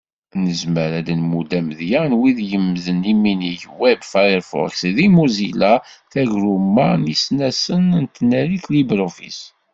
Nezmer ad d-nmudd amedya n wid yemmden: Iminig Web Firefox n Mozilla, tagrumma n yisnasen n tnarit LibreOffice.